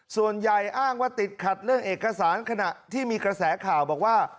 ส่วนใหญ่อ้างว่าติดขัดเรื่องเอกสารขณะที่มีกระแสข่าวบอกว่า